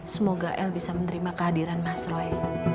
semoga l bisa menerima kehadiran mas roy